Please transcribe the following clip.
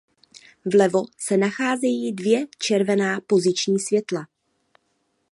Vlevo se nacházejí dvě červená poziční světla.